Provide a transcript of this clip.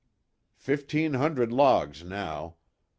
"Fifteen hundred logs now.